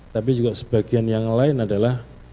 tapi juga sebagian yang lain adalah